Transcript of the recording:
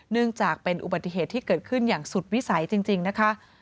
เนื่องจากเป็นอุบัติเหตุที่เกิดขึ้นอย่างสุดวิสัยจริงนะคะ